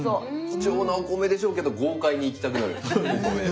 貴重なお米でしょうけど豪快にいきたくなるお米ですね。